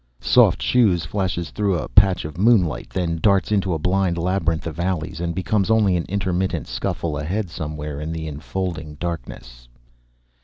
Soft Shoes flashes through a patch of moonlight, then darts into a blind labyrinth of alleys and becomes only an intermittent scuffle ahead somewhere in the enfolding darkness.